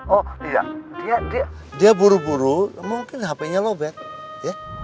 oh iya dia buru buru mungkin hp nya lobet ya